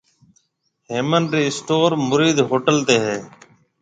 هيَمن رِي اسٽور موريد هوٽل تي هيَ؟